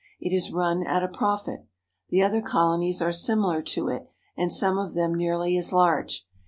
It is run at a profit. The other colonies are similar to it, and some of them nearly as large.